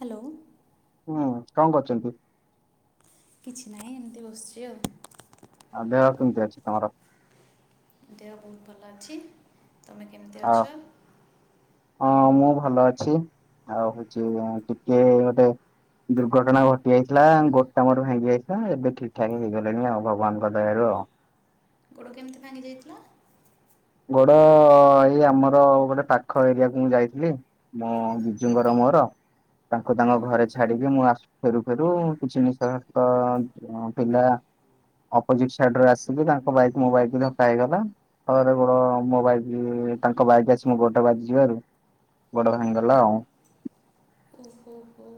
Hello. ହୁଁ କଣ କରୁଚନ୍ତି? କିଛି ନାହିଁ ଏମିତି ବସିଛି ଆଉ। ଆଉ ଦେହ କେମିତି ଅଛି ତମର? ଦେହ ବହୁତ୍ ଭଲ ଅଛି ତମେ କେମିତି ଆ ଅଛ? ହଁ ମୁଁ ଭଲ ଅଛି ଆଉ ହଉଛି ଟିକେ ଗୋଟେ ଦୁର୍ଘଟଣା ଘଟି ଯାଇଥିଲା ଗୋଟା ମର ଭାଙ୍ଗି ଯାଇଥିଲା ଏବେ ଠିକ୍ ଠାକ୍ ହେଇଗଲାଣି ଆଉ ଭଗବାନଙ୍କ ଦୟାରୁ ଆଉ। ଗୋଡ଼ କେମିତି ଭାଙ୍ଗି ଯାଇଥିଲା? ଗୋଡ ଏଇ ଆମର ଗୋଟେ ପାଖ ଏରିଆକୁ ମୁଁ ଯାଇଥିଲି। ମୋ ଜିଜୁଙ୍କର ମୋର ତାଙ୍କୁ ତାଙ୍କ ହଁ ଘରେ ଛାଡିକି ମୁଁ ଆସୁ ଫେରୁ ଫେରୁ କିଛି ନିଶାସ୍ତିକ ପିଲା ଅପୋଜିଟ ସାଇଟ୍ ରୁ ଆସିକି ତାଙ୍କ ବାଇକ୍ ମୋ ବାଇକ୍ ଧକ୍କା ହେଇଗଲା ଫଳରେ ଗୋଡ ମୋ ବାଇକ୍ ତାଙ୍କ ବାଇକ୍ ଆସି ମୋ ଗୋଡରେ ବାଜି ଯିବାରୁ ଗୋଡ ଭାଙ୍ଗି ଗଲା ଆଉ। ଓ ହୋହୋ।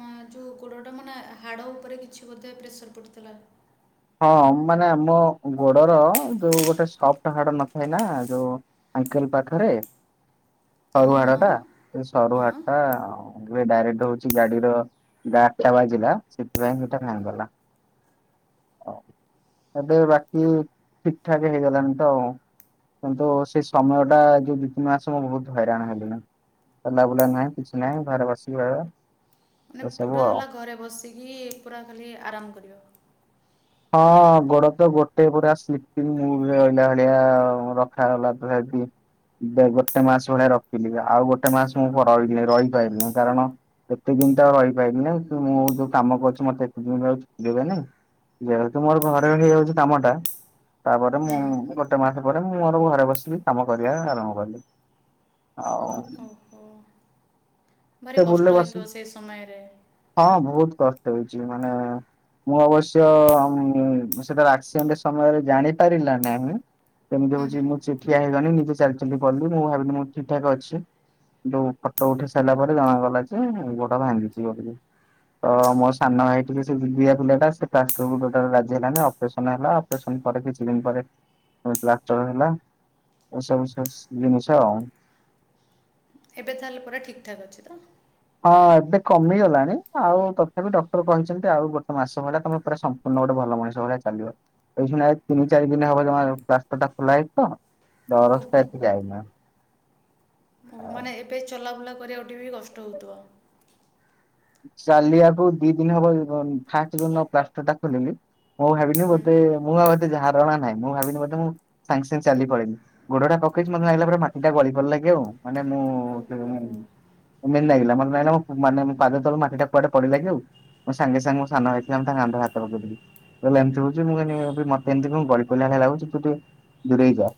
ନାଁ ଯଉ ଗୋଡ଼ଟା ମାନେ ହାଡ଼ ଉପରେ କିଛି ବୋଧେ ପ୍ରେସର୍ ପଡ଼ିଥିଲା? ହଁ ମାନେ ଆମ ଗୋଡର ଯୋଉ ଗୋଟେ ସପ୍ଟ ହାଡ ନଥାଏ ନା ଯୋଉ ଆଙ୍କେଲ ପାଖରେ ସରୁ ହଁ ହାଡ ଟା ହଁ ସେ ସରୁ ହଁ ହାଡଟା ଏବେ ଡାଇରେକ୍ଟ ହଉଛି ଗାଡିର ଗାଡ ଟା ବାଜିଲା ସେଥିପାଇଁ ସେଟା ଭାଙ୍ଗିଗଲା। ହଉ ଏବେ ବାକି ଠିକ୍ ଠାକ୍ ହେଇଗଲାଣି ତ ଆଉ। କିନ୍ତୁ ସେଇ ସମୟ ଟା ଯୋଉ ଦୁଇ ତିନି ମାସ ମୁଁ ବହୁତ୍ ହଇରାଣ ହେଲିଣି। ଚଲା ବୁଲା ନହିଁ କିଛି ନାହିଁ ଘରେ ବସିକି ରହିବା। ମାନେ ଏସବୁ ପୁରା ଆଉ। ହେଲା ଘରେ ବସିକି ପୁରା ଖାଲି ଆରାମ କରିବ। ହଁ ଗୋଡ ତ ଗୋଟେ ପୁରା ସ୍ଲିପିଙ୍ଗ ମୁଡରେ ରହିଲା ଭଳିଆ ରଖାଗଲା [unintelligible] ବ ଗୋଟେ ମାସ ଭଳିଆ ରଖିଲି ଆଉ ଗୋଟେ ମାସ ମୁଁ ରଇଲି ନେଇ ରହିପାରିଲି ନେଇ କାରଣ ଏତେ ଦିନ ତ ଆଉ ରହିପାଇଲି ନେଇଁ କି ମୁଁ ଯୋଉ କାମ କରୁଛି ମତେ ଏତେଦିନ ତ ଆଉ ଛୁଟି ଦେବେ ନେଇଁ। ଯେହେତୁ ମୋର ଘରେ ହେଇଯାଉଛି କାମଟା ତାପରେ ମୁଁ ହୁଁ ହୁଁ ଗୋଟେ ମାସ ପରେ ମୁଁ ମୋର ଘରେ ବସିକି କାମ କରିବା ଆରମ୍ଭ କଲି। ଆଉ? ଓହୋ ଭାରି ଟେବୁଲରେ କଷ୍ଟ ବସି ହେଇଥିବ ସେଇ ସମୟରେ? ହଁ ବହୁତ୍ କଷ୍ଟ ହେଇଚି ମାନେ ମୁଁ ଅବଶ ତ ମୁଁ ସେଟା ଆକ୍ସିଡେଣ୍ଟ ସମୟରେ ଜାଣି ପାରିଲା ନାହିଁ। କେମିତି ହୁଁ ହଉଛି ହୁଁ ମୁଁ ଚି ଠିଆ ହେଇଗନି ନିଜେ ଚାଲି ଚାଲି ପିଳେଇଲି ମୁଁ ଭାବିଲି ମୁଁ ଠିକ୍ ଠାକ୍ ଅଛି। କିନ୍ତୁଫଟୋ ଉଠେଇ ସାରିଲା ପରେ ଜଣାାଗଲା ଯେ ଗୋଡ଼ ଭାଙ୍ଗିଚି ବୋଲି। ତ ମୋ ସାନଭାଇ ଟିକେ ସେ ଜିଦିଆ ପିଲାଟା ସେ ପ୍ଳାଷ୍ଟରକୁ ଟୋଟାଲ ରାଜି ହେଲାନି ଅପରେସନ ହେଲା ଅପରେସନ ପରେ କିଛି ଦିନ ପରେ ପୁଣି ପ୍ଳାଷ୍ଟର ହେଲା ଏସବୁ ସେସ ଜିନିଷ ଆଉ। ଏବେ ତାହେଲେ ପୁରା ଠିକ୍ ଠାକ୍ ଅଛି ତ। ହଁ ଏବେ କମିଗଲାଣି ଆଉ ତଥାପି ଡକ୍ଟର କହିଚନ୍ତି ଆଉ ଗୋଟେ ମାସ ଭଳିଆ ତମେ ପୁରା ସ ପୁର୍ଣ ଗୋଟେ ଭଲ ମଣିଷ ଭଳିଆ ଚାଲିବ। ଏଇ ଶୁଣିଆ ଏଇ ତିନି ଚାରି ଦିନ ହବ ପ୍ଲାଷ୍ଟରଟା ଖୋଲା ହେଇଚି ତ। ଓହୋ ଦରଜଟା ଏତେ ଯାଇନା। ଓହ ମାନେ ଏବେ ଚଲାବୁଲା କରିବାକୁବି ଟିକେ କଷ୍ଟ ହେଉଥିବ। ଚାଲିବାକୁ ଦି ଦିନ ହବ ଫାଷ୍ଟ ଦିନ ପ୍ଲାଷ୍ଟରଟା ଖୋଲିଲି ମୁଁ ଭାବିନି ବୋଧେ ହୁଁ ମୁଁ ଆଉଏତେ ଧାରଣା ନାହିଁ ମୁଁ ଭାବିନି ବୋଧେ ମୁଁ ସାଙ୍ଗେ ସାଙ୍ଗେ ଚାଲିକି ପଳେଇବି। ଗୋଡଟା ପକେଇଚି ମତେ ଲାଗିଲା ପୁରା ମାଟିଟା ଗଳି ପଢିଲା କି ଆଉ ମାନେ ମୁଁ ଓହୋ ଏମିତି ନାଗିଲା ମତେ ନାଗିଲା ମୁଁ ମାନେ ପାଦ ତଳୁ ମାଟିଟା କୁଆଡେ ପଳେଇଲା କିଆଉ ମୁଁ ସାଙ୍ଗେ ସାଙ୍ଗେ ମୋ ସାନଭାଇ ଥିଲା ମୁଁ ତା କାନ୍ଧରେ ହାତ ପକେଇ ଦେଲି। କଇଲା ଏମତି ହଉଚୁ? ମୁ କଇନି ମତେ ଏମତି କଣ ଗଳିପଇଲା ଭଳିଆ ଲାଗୁଚି ତୁ ଟିକେ ଦୂରେଇ ଯା।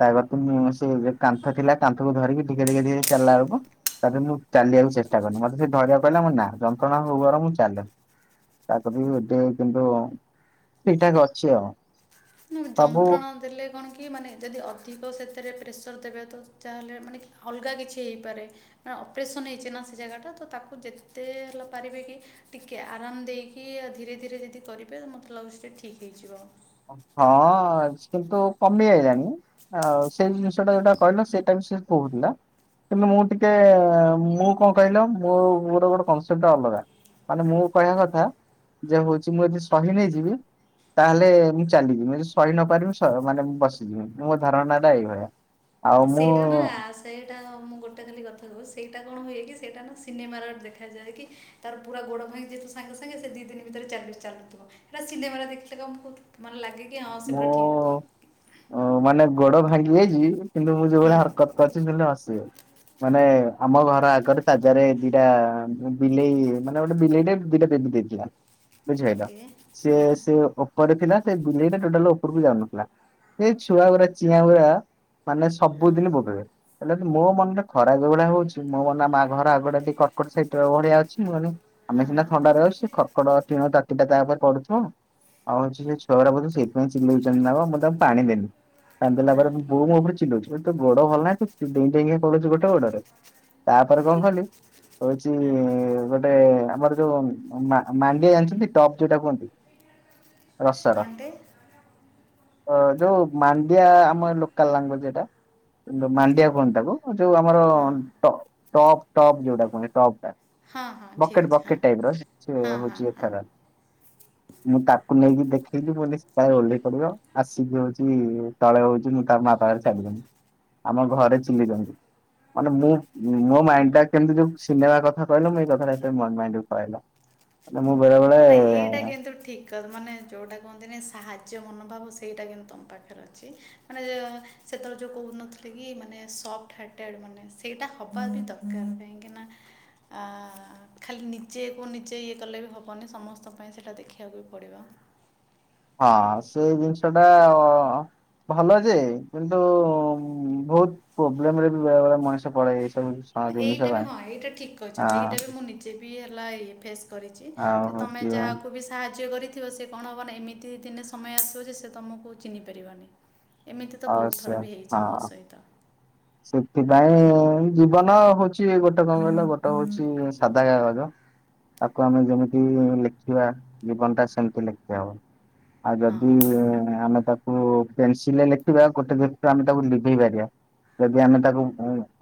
ତାପରଦିନୁ ସେ କାନ୍ଥ ଥିଲା କାନ୍ଥକୁ ଧରିକି ଟିକେ ଟିକେ ଧିରେ ଚାଲିଲା ବେଳକୁ ତାପରେ ମୁଁ ଚାଲିବାକୁ ଚେଷ୍ଟା କଲିି ମତେ ସେ ଧରିବାକୁ କହିଲା ମୁଁ କଇନି ନାଁ ଯନ୍ତ୍ରଣା ହଉ ବରଂ ମୁଁ ଚାଲେ। ତାପରେବି ଏବେ କିନ୍ତୁ ଠିକଠାକ୍ ଅଛି ଆଉ। ହୁଁ ସବୁ ଯନ୍ତ୍ରଣା ଦେଲେ କଣ କି କି ମାନେ ଯଦି ଅଧିକ ସେଥିରେ ପ୍ରେସର ଦେବେ ତ ଯାହେଲେ ମାନେ ଅଲଗା କିଛି ହେଇପାରେ। ନାଁ ଅପରେସନ ହେଇଚି ନା ସେ ଜାଗାଟା ତ ତାକୁ ଯେତେ ହେଲା ପାରିବେ କି ଟିକେ ଆରାମ ଦେଇକି ଧୀରେ ଧୀରେ ଯଦି କରିବେ ମୋତେ ଲାଗୁ ସେଟା ଠିକ୍ ହେଇଯିବ। ହଁ କିନ୍ତୁ କମି ଆଇଲାଣି ଆଉ ସେଇ ଜିନିଷଟା ଯୋଉଟା କହିଲ ସେଇଟା ବି ସେ କହୁଥିଲା। କିନ୍ତୁ ମୁଁ ଟିକେ ମୁଁ କଣ କହିଲ ମୋ ର ଗୋଟେ କନସେପ୍ଟ ଅଲଗା। ମାନେ ମୁଁ କହିବା କଥା ଯେ ହଉଚି ମୁଁ ଯଦି ସହି ନେଇଯିବି ତାହେଲେ ମୁଁ ଚାଲିବି ମୁଁ ଜଦି ସହି ନପାରିବି ସ ମାନେ ମୁଁ ବସିଯିମି ମୋ ଧାରଣାଟା ଏଇଭଳିଆ। ଆଉ ନା ମୁଁ ସେଇଟା ନା ସେଇଟା ମୁଁ ଗୋଟେ ଖାଲି କଥା କହୁ ସେଇଟା କଣ ହୁଏ କି ସେଇଟା ନା ସିନେମାର ଦେଖାଯାଏ କି ତାର ପୁରା ଗୋଡ ଭାଙ୍ଗି ଯାଇଥିବ ସାଙ୍ଗେ ସାଙ୍ଗେ ସେ ଦି ଦିନ ଭିତରେ ଚାଲି ଚାଲୁଥିବ ସେଇଟ ସିନେମାରେ ଦେଖିଲେ [unintelligible] ମନେ ଲାଗେ କି ଅ ମୁଁ ମାନେ ଗୋଡ ଭାଙ୍ଗି ଯାଇଚି କିନ୍ତୁ ମୁଁ ଯୋଉଭଳିଆ ହରକତ [unintelligible] ମାନେ ଆମ ଘର ଆଗରେ ତାଜରେ ଦିଟା ବିଲେଇ ମାନେ ଗୋଟେ ବିଲେଇଟେ ଦିଟା ବେବି ଦେଇଥିଲା ବୁଝି ପାଇଲ ଓକେ ସେ ହଁ ସେ ଉପରେ ଥିଲା ସେ ବିଲେଇଟା ଟୋଟାଲ ଉପରକୁ ଯାଉନଥିଲା ସେ ଛୁଆ ଉରା ଚିଆ ଉରା ମାନେ ହଁ ସବୁଦିନ ବୋବେଇବେ। ହେଲେ କି ମୋ ମନରେ ଖରା ଏଇଭଳିଆ ହଉଚି ମୋ ମାନେ ମା ଘର ଆଗୁଡା ଟିକେ କଟକଟ ସାଇଟ ଭଳିଆ ଅଛି ମୁଁ କନି ଆମେ ସିନା ଥଣ୍ଡା [unintelligible] ସେ କରକଟ ଟିଣ ତାତିଟା ତା ଉପରେ ପଡୁଥିବ ଆଉ ହଉଚି ସେ ଛୁଆ ଗୁଡା ବୋଧେ ସେଇ ଚିଲଉଚନ୍ତି ନା କଣ ମୁଁ ତାଙ୍କୁ ପାଣି ଦେନି। ପାଣି ଦେଲା ପରେ ମୋ ବୋଉ ମୋ ଉପରେ ଚିଲଉଚି। କୋଉଚି ତୋ ଗୋଡ ଭଲ ନାହିଁ ତୁ ଡେଇଁ ଡେଇଁକି ପଲଉଚୁ ଗୋଟେ ଗୋଡରେ। ତାପରେ କଣ କଲି ହଉଚି ଗୋଟେ ଗୋଟେ ଆମର ଯୋଉ ମା ମାଣ୍ଡିଆ ଜାଣିଚନ୍ତି ଟପ୍ ଯୋଉଟା କୁହନ୍ତି ରସ ର। ଅ ଯୋଉ ମାଣ୍ଡିଆ ଆମ ଲୋକାଲ ଲାଙ୍ଗୁଏଜ ଏଇଟା। ଓକେ ମାଣ୍ଡିଆ କୁହନ୍ତି ତାକୁ ଯୋଉ ଆମର ହଁ ଟ ଟବ୍ ଟବ୍ ଯୋଉଟା କୁହନ୍ତି ଟବ୍ ଟା। ହଁ ହଁ ଠିକ୍ ବକେଟ ଅଛି ହଁ ବକେଟ ଟାଇପ ର ସେ ହଁ ହଁ ହଉଚି ହଁ ଏଥର ମୁଁ ତାକୁ ନେଇକି ଦେଖେଇଲିି ମୁଁ କଲି କାଳେ ଓହ୍ଲେଇ ପଡିବ ଆସିକି ହଉଚି ତଳେ ହଉଚି ମୁଁ ତା ମା ପାଖରେ ଛାଡିଦେମି। ଆମ ଘରେ ଚୁଲିଚନ୍ତି। ମାନେ ମୁଁ ମୋ ମାଇଣ୍ଡ ଟା କେମିତି ଯୋଉ ସିନେମା କଥା କହିଲ ମୁଁ ଏଇ କଥାଟା ମୋ ମାଇଣ୍ଡ କୁ ପଳେଇଆଇଲା। ମୁଁ ବେଳେବେେଳେ ନା ଏଇଟା କିନ୍ତୁ ଠିକ୍ ମାନେ ଯୋଉଟା କୁହନ୍ତିନି ସାହାଯ୍ୟ ମନୋଭାବ ସେଇଟା କିନ୍ତୁ ତମ ପାଖରେ ଅଛି। ମାନେ ସେତେବେଳେ ଯେଉଁ କହୁନଥିଲେ କି ମାନେ ସଫ୍ଟ ହାର୍ଟେଡ଼୍ ମାନେ ସେଇଟା ହବା ବି ଦ ଦର ପାଇଁ କି ନା ଆ ଖାଲି ନିଜେ କ ନିଜେ ଇଏ କଲେ ବି ହ ହବନି ସମସ୍ତଙ୍କ ପାଇଁ ସେଇଟା ଦେଖିବାକୁ ବି ପଡ଼ିବ ହଁ ସେ ଜିନିଷ ଟା ଭଲ ଯେ କିନ୍ତୁ ବହୁତ ପ୍ରୋବ୍ଲେମରେ ବି ବେଳେ ବଳେ ମଣିଷ ପଡେ ଏ ସବୁ କିଛି। ଏଇଟା ବି ହଁ ଏଇଟା ଠିକ୍ କହିଛନ୍ତି ଏଇଟା ବି ମୁଁ ନିଜେ ବି ହେଲା ଇଏ ଫେସ୍ କରିଛି‌। ଆଉ ଯେ ତମେ ହଉଛି ଯାହାକୁ ବି ସାହାଯ୍ୟ କରି ଥିବ ସେ କ'ଣ ହବ ନା ଏମିତି ଦିନେ ସମୟ ଆସିବ ଯେ ସେ ତମକୁ ଚିହ୍ନି ପାରିବନି ଏମିତି ତ ବହୁତ ଅବଶ୍ୟ ଥର ବି ହେଇଛି ହଁ। ମୋ ସହିତ ସେଥିପାଇଁ ଜୀବନ ହଉଛି ଗୋଟେ କ'ଣ କହିଲ ଗୋଟେ ହଉଛି ସାଧା କାଗଜ ତାକୁ ଆମେ ଯେମିତି ଲେଖିବା ଜୀବନ ଟା ସେମତି ଲେଖିବା ହବ ଆଉ ହଁ ଯଦି ଆମେ ତାକୁ ପେନସିଲରେ ଲେଖିବା ଗୋଟେ ଦରୁ ଆମେ ତାକୁ ଲିଭେଇ ପାରିବା ଯଦି ଆମେ ତାକୁ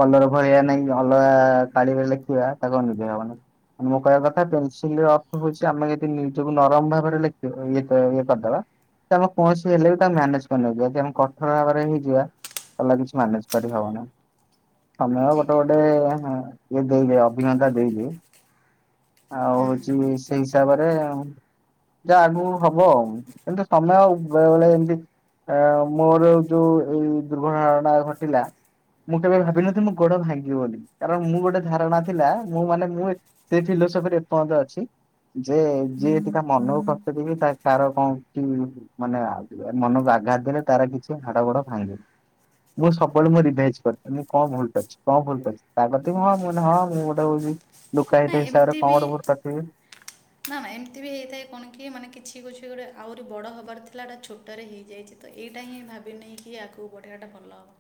କଲର ଭଳିଆ ନାଇଁ ଅଲଗା ତାଳିରେ ଲେଖିବା ତାକୁ ଆଉ ନିଭେଇ ହବନ। ମୋ କହିବା କଥା ପେନସିଲ ଅର୍ଥ ହଉଛି ଆମେ ଯି ନିଜକୁ ନରମ ଭାବରେ ଲେଖ ଇଏ ଇଏ କରିଦେବା। ଆମେ କୌଣସି ହେଲେ ବି ତାକୁେ ମାନେଜ କରିନେଇଯିବା ଆମେ କଠୋର ଭାବରେ ହେଇଯିବା ତାହେଲେ କିଛି ମ୍ୟାନେଜ। କରି ହବ ନା ସମୟ ଗୋଟେ ସେଇଟା ବି ଗୋଟେ ଠିକ୍ କଥା ଇଏ ଦେଇଦ ଅଭିଜ୍ଞତା ଦେଇଦିଏ। ଆଉ ହୁଁ ହଉଛି ସେଇ ହିସାବରେ ଆ ଯାହା ଆଗକୁ ହବ ଆଉ ଏମୁ ସମୟ ଆଉ ବେଳେ ବେଳେ ଏମତି ଆ ମୋର ଯୋଉ ଏଇ ଦୁର୍ଘଟଣାା ଘଟିଲା ମୁଁ କେବେ ହଁ ଭାବିନଥିଲି ମୋ ଗୋଡ ଭାଙ୍ଗିବି ବୋଲି କାରଣ ମୁଁ ଗୋଟେ ଧାରଣା ଥିଲା ମୁଁ ମାନେ ମୁଁ ସେ ଫିଲୋସଫିରେ ଏପର୍ଯ୍ୟନ୍ତ ଅଛି। ଯେ ଯିଏ ଟିକ ମନକୁ କଷ୍ଟ ତା ତାର କଣ କି ମାନେ ମନକୁ ଆଘାତ ଦେଲେ ତାର କିଛି ହାଡ ଗୋଡ ଭାଙ୍ଗେ ମୁଁ ସବୁବେଳେ ମୁଁ ଓହୋ ରିଭାଇଜ କରି ମୁଁ କଣ ଭଲଛି କଣ ଭଲଛି ତା କଥା ହଁ ହଁ ମୁଁ ଗୋଟେ ହଉଛି। ନା ଲୁୋକାତ ହିସାବରେ ଏମିତି କ'ଣ ବି ଗୋଟେ ଭୁଲ୍ କରିଥିବି। ନା ନା ଏମିତି ବି ହେଇଥାଏ କ'ଣ କି ମାନେ କିଛି କିଛି ଗୋଟେ ଆହୁରି ବଡ ହବାର ଥିଲା ଏଟା ଛୋଟରେ ହେଇଯାଇଛି। ଏଇଟା ହିଁ ଭାବିନିଇକି ଆଗକୁ ବଢ଼େଇବାଟା ଭଲ ହେବ।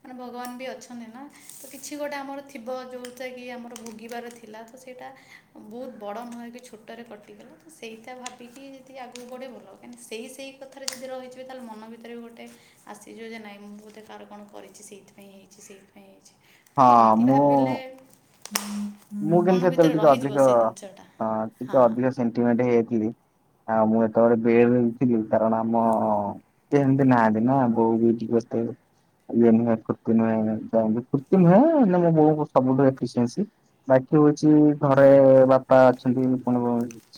ମାନେ ଭଗବାନ ବି ଅଛନ୍ତି ନା କିଛି ଗୋଟେ ଆମର ଥିବ ଯେୋଉଟା କି ଆମର ଭୋଗିବାର ଥିଲା ତ ସେଇଟା ବହୁତ ବଡ ନ ହେଇକି ଚୋ ସେତାରେ କଟିଗଲା ତ ସେଇଟା ଭାବିକି ଯଦି ଆଗକୁ ଗେଟେ ଭଲ କାହିଁକି ସେହି କଥା ଯେଦି ରହିଯିବେତାହେଲେ ମନ ଭିତରେ ବି ଗୋଟେ ଆସିଯିବ ଯେ ନାଇଁ ମୁଁ ବୋଧେ କାର କ'ଣ କରିଛି ସେଇଥିପାଇଁ ହେଇଛି ସେଇଥିପାଇଁ ହେଇଛି। ହଁ ଏମିତି ମୁଁ ଭାବିଲେ ମୁଁ ମନ କିନ୍ତସେତେବେଳେ ଭିତରେ ଟିକେ ରହିଯିବ ଅଧିକ ସେ ଜିନିଷଟା ହଁ ଟିକେ ହଁ ଅଧିକ ସେଣ୍ଟିମେଣ୍ଟି ହେଇଯାଇଥିଲି। ଆଉ ମୁଁ ଯେତେବେଳେ ବେଡି ଥିଲି କାରଣ ଆମ ଅ ସେଏମିତି ନାହାନ୍ତି ନା ବୋଉ ବି ବେସ୍ତ [inaudible] ବାକି ବେଝିବି ଘରେ ବାପା ଅଛନ୍ତି।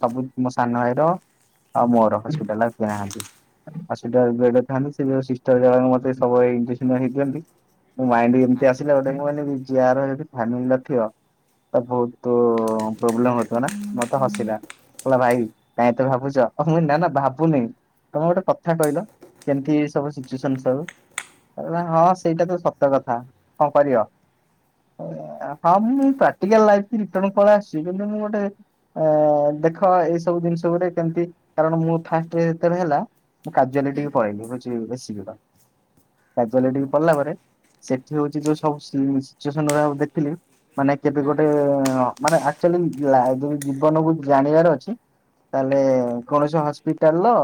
ସବୁ ମୁଁ ସାନ ଭାଇର ଆଉ ମୋର ହସ୍ପିଟାଲ [unintelligible] ନାହାନ୍ତି। ହସ୍ପିଟାଲ ବ୍ରଡେ ଖାଲିସିଟାଚାର ସବୁବେଳେ ଏଜେସନ ହଁ ଦେଅତି ମାଇଣ୍ଡ ଏମିତି ହଁ ଆସିଲା ଗୋଟେ ଚେଆର ହେଠି ଖାଲି ନଥିବ। ବହୁତ ପ୍ରୋବ୍ଲେମି ହଉଥିବନା ମତେ ହସିଲା କହିଲା ଭାଇ କାଇହିଁ ତ ଭାବୁଛ ମୁଁ ନା ନା ଭାବୁନି। ତମେ ଗୋଟେ କଥା କହିଲ କେମିତି ସବୁ ସିଚୁଚନ ସବୁ କହିଲା ହଁ ସେଇଟା ତ ସତ କଥା କ'ଣ କରିବା? ହଁ ମୁଁଁ ପ୍ରାକ୍ଟଲ ଲାଇପି ରିଟର୍ନ ପଳିଇ ଆସି କେତୁମୁଁ ଗୋଟେ ଏ ଦେଖ ଏଇ ସବୁ ଜିନିଷ ଗୋଟି କେମତି କାରଣ ମୁଁ ଫାଟ୍ର ଯେତେବେଳେ ହେଲା। ମୁଁ କାଜୁଆଲିଟିକି ହୁଁ ପଳେଇଲା ହୋଉଚି ବେଶୀ ଦୂର କାଜୁଆଲିଟିକି ଓହୋ ପଳଲା ପରେ ସେଠି ହୋଉଚି ଯୋଉ ସବୁ ସି ସିଚୁଏସନ ଗୁଡାକୁ ଦେଖିଲି କିନ୍ତୁ ହଁ ଗୋଟେ ଏଁ ଅଁ ମାନେ ଆକଚୋଲି ଲାଆ ଯେମିତି ଜୀବନକୁ ଜାଣିବାର ଅଛି ତାହେଲେ କୌଣସି ହସ୍ପିଟାଲ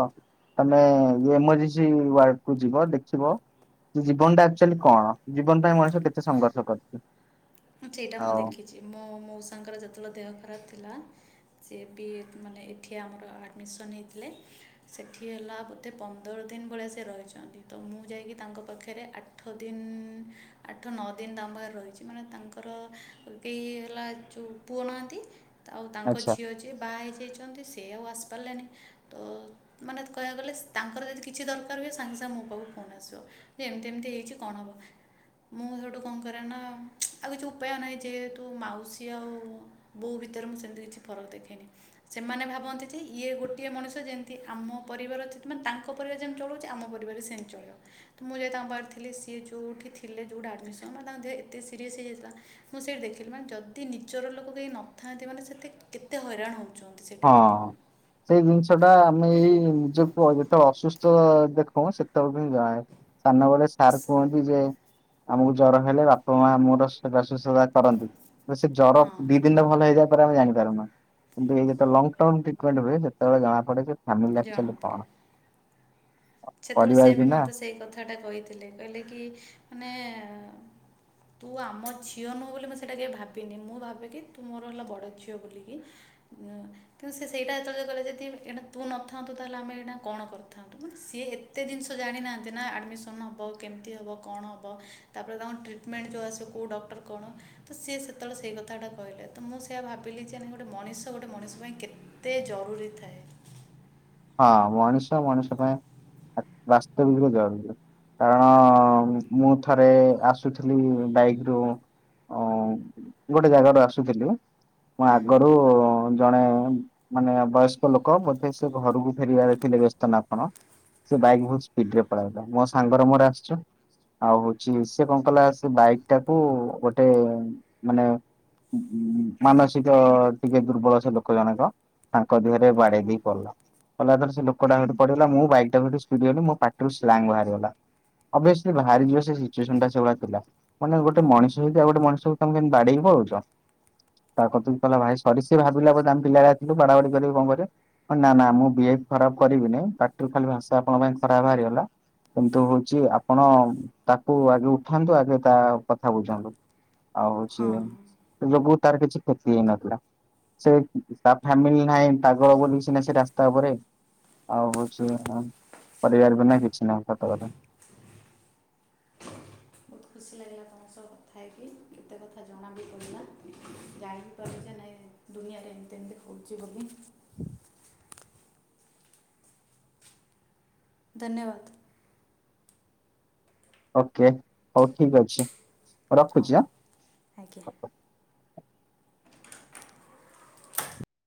ଆମେ ଯୋଉ ଏମରଜେନ୍ସି ୱାର୍ଡକୁୁ ଯିବ ଦେଖିବ ଜୀବନ ଟା ଆକ୍ଚୁଆଲି କ'ଣ? ଜୀବନ୍ ପାଇଁ ମଣିଷ କେତେ ସଂଘର୍ଷ ହଁ ସେଇଟା ମୁଁ ଆଉ ଦେଖିଚି ମୋ ମୋଉସାଙ୍କର ଯେତେବେଳେ ଦେହ ଖରାପ ଥିଲା ସିଏ ବି ଏତ୍ ମାନେ ଏଠି ଆମର ଆଡ଼ମିସନ ହେଇଥିଲେ। ସେଠି ହେଲା ବୋଧେ ପନ୍ଦର ଦିନ ଭଳିଆ ସେ ରହିଚନ୍ତି ତ ମୁଁ ଯାଇଁକି ତାଙ୍କ ପାଖରେ ଆ ଆଠ ଦିନ ଆଠ ନଅ ଦିନ ତାଙ୍କ ପାଖରେ ରହିଚି ମାନେ ତାଙ୍କ ତାଙ୍କର ବି ହେଲା ଯୋଉ ପୁଅ ନାହାନ୍ତି ତା ଆଉ ତାଙ୍କ ଆଚ୍ଛା ଝିଅ ଯି ଯିଏ ବାହା ହେଇଯାଇଚନ୍ତି ସେ ଆଉ ଆସିପାରଲାନି ତ ମାନେ ତ କହିବାକୁ ଗଲେ ସ୍ ତାଙ୍କର ଯଦି କିଛି ଦରକାର ହୁଏ ସାଙ୍ଗେ ସାଙ୍ଗେ ମୋ ପାଖକୁ ଫୋନ୍ ଆସିବ। ହେ ଏମତି ଏମତି ହେଇଚି କଣ ହବ ମୁଁ ହେଠୁ କଣ କରେ ନା ଆଉ କିଛି ଉପାୟ ନାହିଁ ଯେହେତୁ ମାଉସୀ ଆଉ ବୋଉ ଭିତରେ ମୁଁ ସେମିତି କିଛି ଫରକ ଦେଖେନି। ସେମାନେ ଭାବନ୍ତି ଯେ ଇଏ ଗୋଟିଏ ମଣିଷ ଯେମତି ଆମ ପରିବାର ଯେ ମାନେ ତାଙ୍କ ପରିବାର ଯେମିତି ଚଳୁଚି ଆମ ପରିବାର ବି ସେମିତି ଚଳିବ। ମୁଁ ଯାଇ ତାଙ୍କ ପାଖରି ଥିଲେ ସିଏ ଯୋଉଠି ଥିଲେ ଯୋଉଟା ଆଡମିସନ ମାନେ ତାଙ୍କ ଦେହ ଏତେ ସିରି ଏସ୍ ହେଇଯାଇଥିଲା ମୁଁ ସେଇଠି ଦେଖିଲି ମାନେ ଯଦି ନିଜର ଲୋକ କେହି ନଥାନ୍ତି ମାନେ ସେଠି କେତେ ହଇରାଣ ହୋବୁ। ହଁ। ସେଇ ଜିନିଷଟା ଆମେ ଏଇ ନିଜକୁ ଅ ଯେତେ ଅସୁସ୍ଥ ଦେଖୋଉଁ ସେତଳକୁ ହିଁ ଯାଏ। ସାନ ବଡ ସ୍ ସାର୍ ଆସ୍ କୁହନ୍ତି ଯେ ଆମୁକୁ ଜର ହେଲେ ବାପା ମାଆ ଆମର ସେବା ଶୁଶ୍ରାସା କରନ୍ତି। ସେ ଜର ହଁ ଦି ଦିନରେ ଭଲ ହେଇଯାଏ ତାର ଆମେ ଜାଣିପାରୁନୁ ଏମତି ହେଇଯାଏ। ଯେତୋଳେ ଲଙ୍ଗ ଟର୍ମ ଟ୍ରିଟମେଣ୍ଟ ହୁଏ ସେତେବେଳେ ଜଣାପଡେ ଯେ ଫ୍ୟାମିଲି ଆକଚୋଲି କଣ? ସେତୋଳେ ପରିବାର ସେ ବି ବିନା ମୋତେ ସେଇ କଥାଟା କହିଥିଲେ କହିଲେ କି ମାନେ ଏ ତୁ ଆମ ଝିଅ ନୁହଁ ବୋଲି ମୁଁ ସେଇଟା କେବେ ଭାବିନି ମୁଁ ଭାବେ କିି ତୁ ମୋର ହେଲା ବଡ଼ ଝିଅ ବୋଲିକି। ଉଁ କିନ୍ତୁ ସେ ସେଇଟା ଯେତୋଳେ କହିଲେ ଯଦି ଏଇନା ତୁ ନଥାନ୍ତୁ ତାହେଲେ ଆମେ ଏଇନା କଣ କରିଥାନ୍ତୁ ମୁଁ ସିଏ ଏତେ ଜିନିଷ ଜାଣିନାହାନ୍ତି ନା ଆଡ଼ମିସନ୍ ହବ କେମତି ହବ କଣ ହବ। ତାପରେ ତାଙ୍କ ଟ୍ରିଟମେଣ୍ଟ ଯୋଉ ଆସିବ କୋଉ ଡକ୍ଟର କଣ ତ ସିଏ ସେତୋଳେ ସେଇ କଥାଟା କହିଲେ ତ ମୁଁ ସେଇଆ ଭାବିଲି ଯେ ଗୋଟେ ମଣିଷ ଗୋଟେ ମଣିଷ ପାଇଁ କେ ତେ ଜରୁରୀ ଥାଏ। ହଁ ମଣିଷ ମଣିଷ ପାଇଁ ଆ ବାସ୍ତବିତରେ ଜରୁରୀ। କାରଣ ମୁଁ ଥରେ ଆସୁଥିଲି ବାଇକରୁ ଅଁ ଗୋଟେ ଜାଗାରୁ ଆସୁଥିଲି ମୁଁ ହୁଁ ଆଗରୁ ଜଣେ ମାନେ ବୟସ୍କ ଲୋକ ବୋଧେ ସେ ଘରୁକୁ ଫେରିବାରେ ଥିଲେ ବ୍ୟସ୍ତ ନା କଣ। ସେ ବାଇକ୍ ବୋହୁତ ସ୍ପିଡରେ ପଳେଇଲା ମୋ ସାଙ୍ଗର ମୋର ଆସଚୁ। ଆଉ ହୋଉଚି ସେ କଣ କଲା ସେ ବାଇକଟାକୁ ଗୋଟେ ମାନେ ଉ ଉ ମାନସିକ ଟିକେ ଦୁର୍ବଳ ସେ ଲୋକ ଜଣଙ୍କ ତାଙ୍କ ଦେହରେ ବାଡେଇ ଓହୋ ଦେଇ ପଳଲା। କଲା ଯେତେଳେ ସେ ଲୋକଟା ହେଠୁ ପଡ଼ିଗଲା ମୁଁ ବାଇକଟା ବି ହେଠୁ ସ୍ପିଡ଼ି ଗଲି ମୋ ପାଟିରୁ ସ୍ଲାଙ୍ଗ ବାହାରିଗଲା। ଅବଶ୍ୟ ବାହାରି ଯିବ ସେ ସିଚୁଏସନଟା ସେଭଳିଆ ଥିଲା କଣ ନା ଗୋଟେ ହଁ ହଁ ମଣିଷ ହେଇ କି ଆଉ ଗୋଟେ ମଣିଷକୁ ତମେ କେମି ବାଡ଼େଇକି ପଳୋଉଚ। ତା କତିକି କହିଲା ଭାଇ ସରି ସେ ଭାବିଲା ବୋଧେ ଆମେ ପିଲାରା ଆସୁ ବାଡାବାଡି କରିବୁ କଣ କରିବୁ ନା ନା ମୁଁ ବିହେବ୍ ଖରାପ କରିବିିନେଇ ବାଟିରୁ ଖାଲି ଭାଷା ଆପଣ ପାଇଁ ଖରାପ ହାରିଗଲା କିନ୍ତୁ ହୋଉଚି ଆପଣ ତାକୁ ଆଗେ ଉଠାନ୍ତୁ ଆଗେ ତା କଥା ବୁଝନ୍ତୁ। ଆଉ ହୋଉଚି ହଁ ସେ ଯୋଗୁ ତାର କିଛି କ୍ଷତି ହେଇନଥିଲା ସେ ତା ଫାମିଲି ନାହିଁ ପାଗଳ ବୋଲି ସିନା ସେ ରାସ୍ତା ଉପରେ ଆଉ ହୋଉଚି ପରିବାର ବିନା କିଛି ନାହିଁ ସତକଥା। ବହୁତ ଖୁସି ଲାଗିଲା ତମ ସହ କଥା ହେଇକି କେତେ କଥା ଜଣା ବି ପଡ଼ିଲା ଯାଇ ବିି ପାରୁଚେ ନେଇ ଦୁନିଆରେ ଏମିତି ଏମିତି ହଉଛି ବୋଲି ଧନ୍ୟବାଦ। ଓକେ, ହଉ ଠିକ୍ ଅଛି। ରଖୁଛି ଆ? ଆଜ୍ଞା।